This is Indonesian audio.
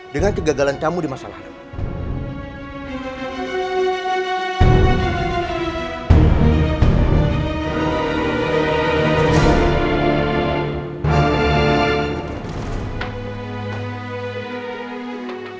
dengan kegagalan kamu di masalah lemah